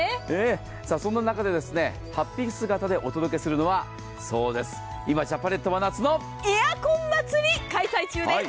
そんな中ではっぴ姿でお届けするのは、そうです、今ジャパネットは夏のエアコン祭り開催中です。